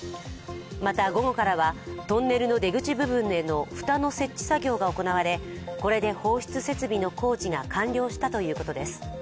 また、午後からはトンネルの出口部分への蓋の設置作業が行われこれで放出設備の工事が完了したということです。